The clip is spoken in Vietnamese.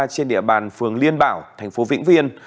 trên địa bàn phường liên bảo thành phố vĩnh viên